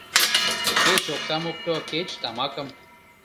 Кеч оксам опто, кеч тамакым...